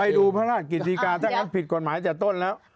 ไปดูพระราชกฤตฬิกาถ้าก็ผิดกฎหมายจากต้นแล้ว